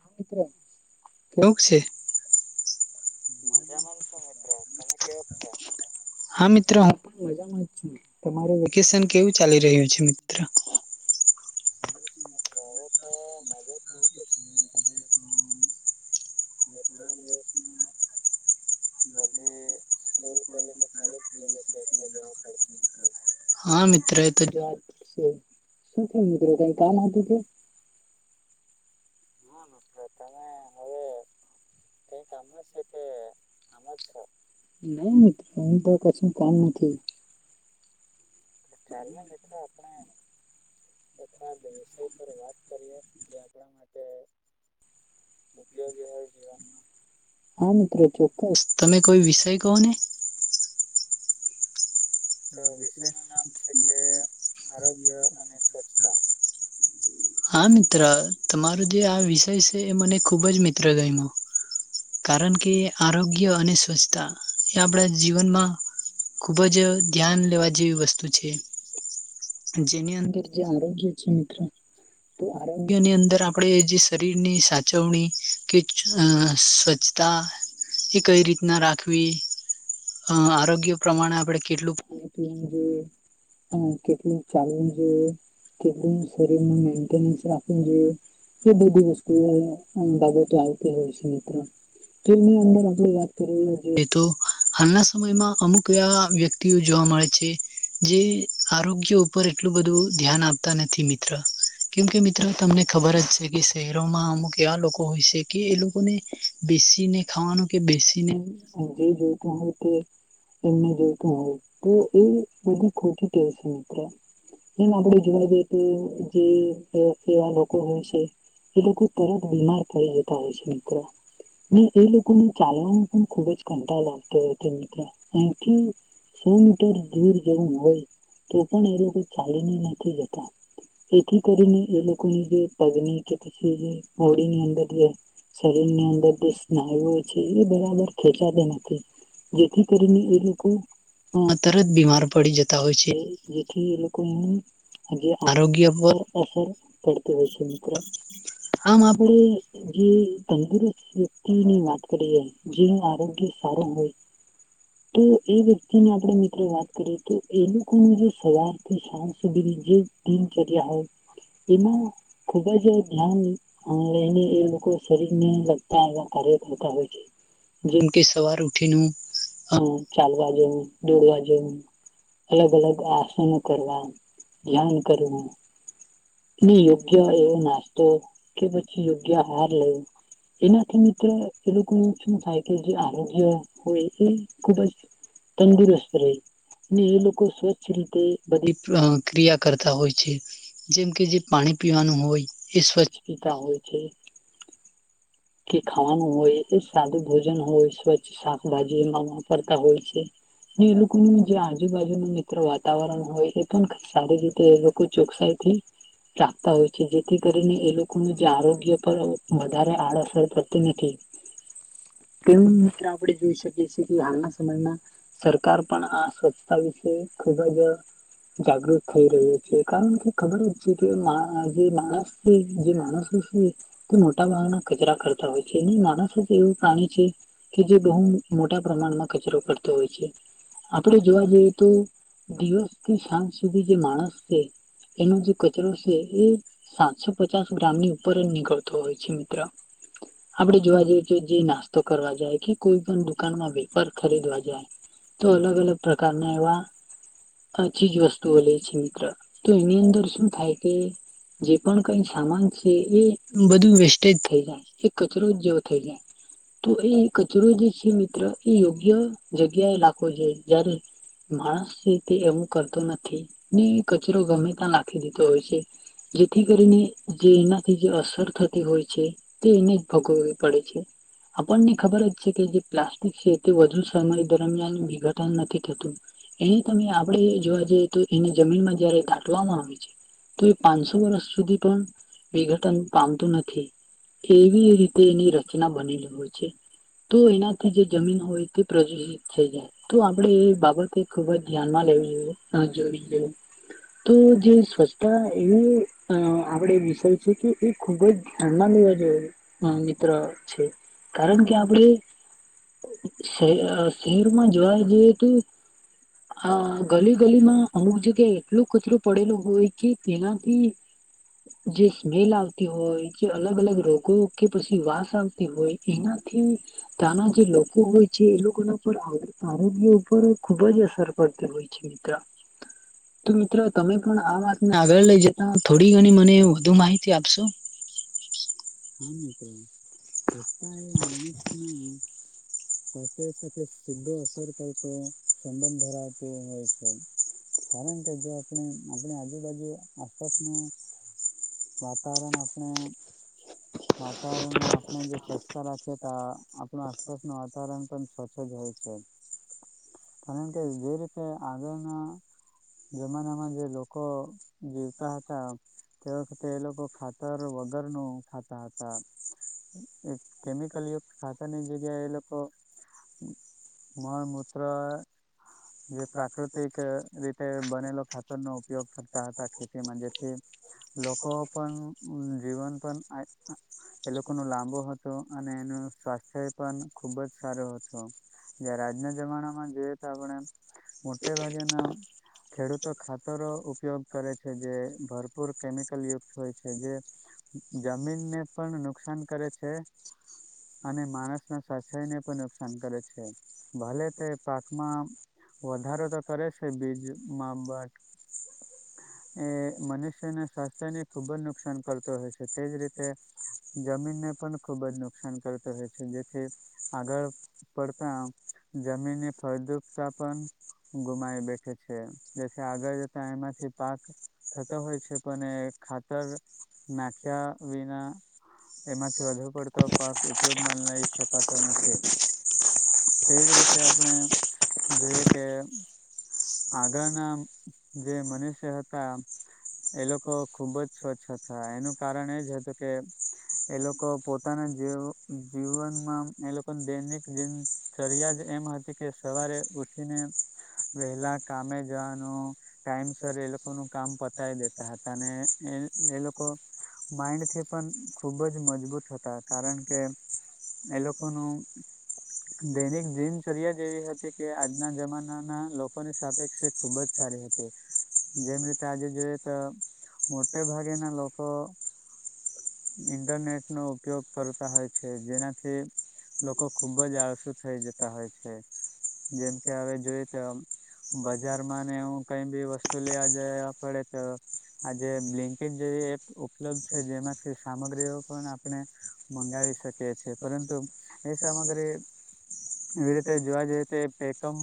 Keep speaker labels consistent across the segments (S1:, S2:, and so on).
S1: હા મિત્ર કેવક છે [inaudible]
S2: મજામાં જ છો મિત્ર તમે કેવ છો.
S1: હા મિત્રો હું પણ મજામાં જ છું તમારું વેકેશન કેવું ચાલી રહ્યું છે મિત્ર.
S2: તો મજા તો હતી. થોડાક દિવસમાં બે સ્કૂલ કોલેજો ચાલુ જ થઈ જશે એટલે જવા પડશે મિત્ર.
S1: હા મિત્ર એ તો જવાબ પશે શું છે મિત્રો કઈ કામ હતું કે
S2: હ નખ [unintelligible] તમે હવે કઈક આામ જ છે કે આમ જ છો.
S1: નહી મિત્રો હું તો કછ કામ નથી.
S2: ચાલ મિત્રો આપણે એખા વિષય પર વાત કરીએ જે આપણા માટે ઉપયોગી હોય જીવનમાં.
S1: હા મિત્રો ચોક્કસ તમે કોઈ વિષય કહો ને. હા વિશે.
S2: નું નામ છે કે આરોગ્ય અને સ્વચ્છતા.
S1: હા મિત્ર તમારો જે આ વિષય છે. એ મને ખૂબ જ મિત્ર ગય્યો કારણ કે આરોગ્ય અને સ્વચ્છતા એ આપડા જીવનમાં ખુબ જ ધ્યાન લેવા જેવી વસ્તુ પ છે.
S2: [inaudible] [inaudible]
S1: કેટલું ચાલું જોઈએ કેટલું શરીરનું મેન્ટેનસ રાખું જોઈએ એ બધી વસ્ુ બાબતો આવતી હોય છે મિત્રો તો એની અંદર આપ વાત કરી જોઈએ તો હાલના સમયમાં અમુક એવા વ્યક્તિઓ જોવા મળે છે. જે આરોગ્ય ઉપર એટલું બધું ધ્યાન આપતા નથી મિત્ર કેમ કે મિત્ર તમને ખબર જ છે કે શહેરોમાં અમુક એવા લોકો હોય છે કે એ લોકોને બેસીને ખાવાનું કે બેસીને જે જોતું હોય કે એને જોતું હોય તો
S2: [inaudible]
S1: મિત્ર એમ આપડે જોવા જઈએ કે જે એવા લોકો હોય છે એ લોકો તરત બીમાર પડી જતા હોય છે મિત્રો ને એ લોકોને ચાલવાનું પણ ખુબ જ કંટાળ લાગતો હોય છે મિત્ર અહીથી સો મીટર. દર ધર જેમ હોય [unintelligible] તો પણ એ લોકો ચાલીને નથી જતા એથી કરીને એ લોકોની જે પગની કે પછી મોડીની અંદર જે શરીર ની અંદર જે સ્નાયુઓ છે. એ બરાબર ખેંચા નથી જેથી કરીને એ લોકો બીમાર પડી જતા હોય છે. જેથી એ લોકો એ આરોગ્ય પર અસર પડતી હોય છે મિત્રો આમ આપણે જે તંદુરસ્ત વ્યક્તિની વાત કરીએ જેનું આરોગ્ય સારું હોય તો એ વ્યક્તિને આપણે મિત્ર વાત પું એ લોકો જો સવારથી સાંજ સુધીની જે દિનચર્યા હોય એમાં ખુબ જ ધ્યાન લઈને એ લોકો શરીર ને લગતા એવા કાર્ય કરતા હોય છે જેમ કે સવાર ઉઠી ચાલવા જ દોડવા. [inaudible] અલગ અલગ આસનો કરવા ધ્યાન કરવું યોગ્ય એવો નાસ્તો કે પછી યોગ્ય આહાર લેવો એનાથી મિત્ર એ લોકોનું શું થાય કે જે આરોગ્ય હોય એ ખુબ જ તંદુરસ્ત રહે. નીલું લોકો સ્વચ્છ રીતે બધી ક્રિયા કરતા હોય છે જેમ કે જે પાણી પીવાનું હોય એ સ્વચ્છ પીતા હોય છે. કે ખાવાનું હોય એ સાદું ભોજન હોય સ્વચ્છ શાકભાજી એમાં વાપરતા હોય છે એ લોકોનું જે આજુબાજુ ન મિત્ર વાતાવરણ હોય એ પણ સારી રીતે એ લોકો ચોકસાઈથી રાખતા હોય છે જેથી કરીને એ લોકોનું જે આરોગ્ય પર વધારે આળસ. તી નથી તે મ્ર આપણે જોઈ શકીએ છીએ કે હાલના સમયમાં સરકાર પણ આ ભી છે ખૂવા જ. જાગૃત થઈ રહ્યો છે કારણ કે ખબર જ છે કે જે માણસ છે જે માણસો છે તે મોટા ભાગના કચરા. માણસ જ એવું પ્રાણી છે કે જે બહુ મોટા પ્રમાણમાં કચરો પડતો હોય છે આપણે જોવા જઈએ તો દિવસથી સાંજ સુધ. જે માણસ છે એનો જે કચરો છે એ સાતસો પચાસ ગ્રામની ઉપર જ નીકળતો હોય છે મિત્ર આપડે જોવા જઈ છે જે નાસ્તો કરવા જાય કે કોઈ પણ દુકાનમાં વેપાર ખરીદવા જાય તો અલગ અલગ પ્રકારના એવા અ ચીજ વસ્તુઓ લે છે મિત્ર તો એની અંદર શું થાય કે જે પણ કઈ સામાન છે એ બધું વેસ્ટેજ થઈ જાય એ કચરો જ જેવો થઈ જાય તો એ કચરો જે છે મિત્ર એ યોગ્ય જગ્યાએ નાખવો જોઈ જય્યારે માણસ છે તે એવું કરતો નથી ને કચરો ગમે તા નાખી દીતો હોય છે જેથી કરીને જે એનાથી જે અસર થતી હોય છે. તે એને જ ભોગવવી પડે છે આપણને ખબર જ છે કે જે પ્લાસ્ટિક છે તે વધુ સમય દરમિયાન વિઘટન નથી થતું એને તમે આપણે જોવા જઈએ તો એને જમીનમાં જયારે દાટવામાં આવે છે તો એ પાંચસો વર્ષ સુધી પણ વિઘટન પામતું નથી. એવી રીતે એની રચના બનેલી હોય છે તો એનાથી જે જમીન હોય તે પ્રદૂષિત થઈ જાય તો આપણેે એ બાબતે ખૂબ જ ધ્યાનમાં લેવી જોઈએ જોવી જોઈએ તો જે સ્વચ્છતા એ અ આપણે વિષય છે કે એ ખૂબ જ ધ્યાનમાં લેવા અ મિત્ર છે કારણ કે આપડ [unintelligible] શહેરમાં જોવા જઈએ તો આ ગલી ગલીમાં અમુક જગ્યા એટલો કચરો પડેલો હોય કે તેનાથી જે સ્મેલ આવતી હોય જે અલગ અલગ રોગો કે પછી વાસ આવતી હોય એનાથી ત્યાના જે લોકો હોય છે એ લોકોના પર આરોગ્ય ઉપર ખુબ જ અસર પડતી હોય છે મિત્ર તો મિત્રો તમે પણ આ વાતને આગળ લઈ જતા થોડી ઘણી મને વધુ માહિતી આપશો.
S2: [inaudible] માણુસ ને સાતે [unintelligible] ખુબ જ અસર કરતો હોય સંબંધ ધરાવતો હોય છે કારણ કે જો આપણે આપણી આજુબાજુ આસપાસનું વાતાવરણ આપણે વાતાવરણમાં આપણે સ્વચ્છતા રાખીયે તો આપણ આસપાસનું વાતાવરણ પણ સ્વછ હોય છે કારણ કે જે રીતે આગળના
S1: [inaudible]
S2: કો જીવતા હતા તે વખતે એ લોકો ખાતર વ ગરનું ખાતા હતા એક કેમિકલયુક્ત ખાતાની જગ્યાએ એ લોકો મળ મુત્ર જે પ્રાકૃતિક રીતે બનેલો ખાતર નો ઉપયોગ કરતા હતા ખેતીમાં જેથી લોકો પણ જીવન પણ એ લોકો નો લાંબો હતો અને એનું સ્વાસ્થ્ય પણ ખુબ જ સારું હ હ જયારે આજના જમાનામાં જોઈએ તો આપણે મોટે ભાગેના ખેડૂતો ખાતરો ઉપયોગ કરે છે જે ભર પૂર કેમિકલ યુક્ત હોય છે જે જમીન ને પણ નુકસાન કરે છે. અને માણસ ના સા છે ને પણ નુકસાન કરે છે. ભલે તે પાકમાં વધારો તો કરે બીજ માબટ એ મનુષ્યના સ્વાસ્થ્યને ખુબ જ નુકસાન કરતો હોય છે તેજ રીતે જમીનને પણ ખુબ જ નુકસાન કરતો હોય છે જેથી આગળ પડતા જમીનની ફળદુકતા પણ ગુમાવી બેઠે છે જેથી આગળ જતા એમાંથી પાક થતો હોય છે પણ એ ખાતર નાખ્યા વિના. એમાંથી વધુ પડતોક. ઉપયોગ મા નાઈ શકાતો નથી. તેજ રીતે આપણે જોઈએ કે આગળના જે મનુષ્ય હતા એ લોકો ખુબ જ સ્વચ્છ હતા એનું કારણ એજ હતું કે એ લોકો પોતાના જ જીવનમાં એ લોકોને દૈનિક. જે ચરિયા જ એમ હતી કે સવારે ઉઠીને વહેલા કામે જવાનું. ટાઈમ સર એ લોકો નું કામ પ. દેતા હતા અને એ લોકો માઇન્ડથી પણ ખૂબ જ મજબૂત હતા કારણ કે. એ લોકો લોકોનું. દૈનિક જિમ ચલી્યા. એવી હતી કે આજના જમાનાના લોકોની સાપેક્ષી ખુબ જ સારી હતી જેમ રીતે આજે જોઈએ તો મોટે ભાગેના લોકો ઇન્ટરનેટ નો ઉપયોગ કરતા હોય છે જેનાથી લોકો. ખૂબ જ આળસુ થઈ જતા હોય છે જેમ કે હવે જોઈએ તો બજારમાં ને એું કઈ બી વસ્તુ લેવા જવા પડે તો આજે બ્લેન્કેટ જેવી એપ ઉપલબ્ધ છે જેમાંથી સામગ્રીઓ પણ આપણે મંગાવી શકીએ છેએ પરંતુ એ. તમાગરે. એવી રીતે જોવા જઈ તો એકમ.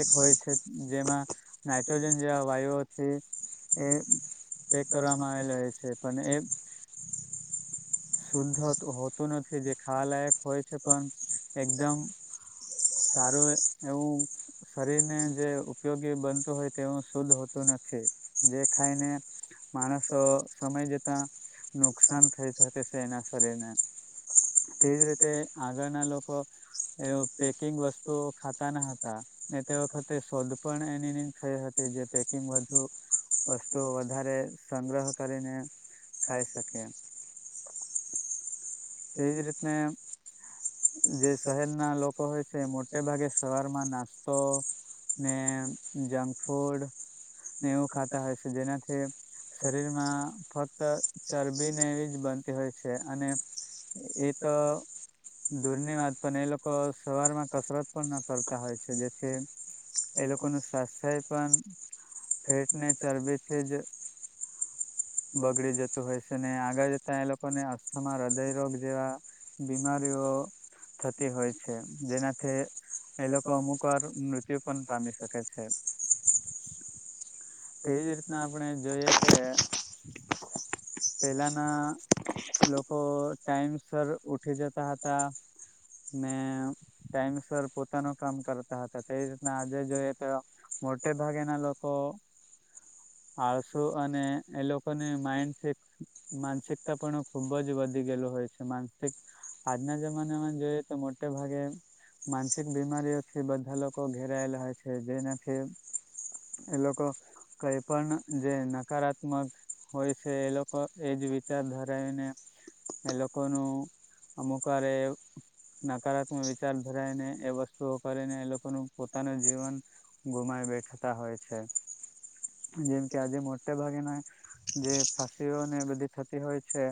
S2: એક હોય છે જેમાં નાઇટ્રોજન જેવા વાયુથી એ. પેક કરવામાં આવેલા હો છે. પણ એ શુદ્ધ હોતું નથી જે ખાવાલાયક હોય છે. પણ એકદમ સારું એવું શરીરને જે ઉપયોગી બનતું હોય તેવું શુદ્ધ હોતું નથી જે ખાઈને માણસો સમય જતા નુકસાન થઈ શકે છે એના શરીરને તેજ રીતે. આગળના લોકો એ પેકિંગ વસ્તુઓ ખાતા ન હતા ને તે વખતે શોધ પણ એની ની થઈ હતી જે પેકિંગ વધુ વસ્તુ વધારે સંગ્રહ કરીને ખાઈ શકે. તે ધ રત મે. જે શહેર ના લોકો હોય. મોટે ભાગે સવારમાં નાસ્તો ને જંક ફૂડ. ને એવું ખાતા હોય છે જેનાથી. કે શરીરમાં ફક્ત. ચરબી ને એવી જ બનતી હોય છે. છે અને. એ તો દૂરની વાત પણ એ લોકો સવાર માં કસરત પણ ના કરતા. તા હોય છે જેથી. એ લોકો ન સ્વાસ્થ્ય. પણ ફેટને ચરબીથી જ બગડી જતું હોય છે ને આગળ જતા એ લોકોને અસ્થ હ. દયરોગ જેવા બીમારીઓ થતી હોય છે જેનાથી. એ લોકો અમુક વાર મૃત્યુ. પણ પામી શકે છે. તેજ રીતના આપણે જોઈએ. કે પહેલાંના લોકો. ટાઈમસ ઉઠી જતા હતા ને ટાઈમસ પોતાનું કામ કરતા હતા તે રીતના આજે જોઈએ તો મોટે ભાગેના લોકો આળસુ અને એ લોકોની માઇન્ડ માનસિકતા પણ ખુબ જ વધી. નસિક આજના જમાનામાં જોઈએ તો મોટે ભાગે માનસિક બીમારીઓથી બધા લોકો ઘેરાયેલા હોય છે જેનાથી એ લોકો કઈ પણ જે નકારાત્મક હોય છે એ લોકો એજ વિચાર ધરાવીને. એ લોકોનું અમુક વાર એ નકારાત્મક વિચાર ધરાયને એ વસ્તુઓ કરીને એ લોકોનું પોતાનું જીવન ગુમાવી બેઠાતા હોય છે. જેમ કે આજે મોટે ભાગે ના જે ફાસીઓને બધી થતી હોય છે.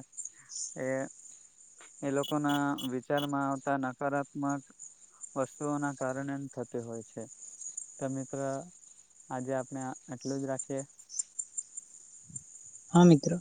S2: એ એ લોકોના વિચારમાં આવતા નકારાત્મક વસ્તુઓના કારણે થતી હોય છે તો મિત્ર આજે આપણે એટલું જ રાખીએ.
S1: હા મિત્રો